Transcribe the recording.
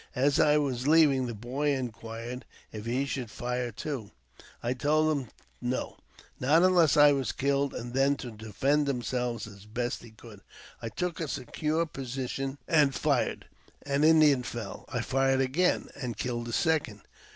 As T was leaving, the boy inquired if he should fire too. I told him no, not unless I was killed, and then to defend himself as he best could. I took a secure position and fired. An Indian fell. I fired again, and killed a second.